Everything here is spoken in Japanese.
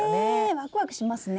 ワクワクしますね！